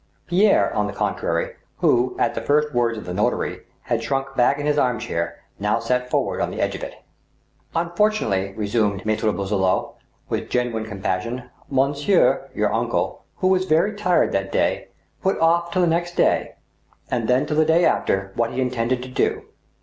Pierre, on the contrary, who, at the first words of the notary, had shrunk back in his arm chair, now sat forward on the edge of it. " Unfortunately," resumed Maftre Boisselot, with genuine com passion, " monsieur, your uncle, who was very tired that day, put off till the next day, and then till the day after, what he intended to do.